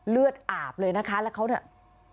เลือดอาบเลยนะคะแล้วเขาเนี่ย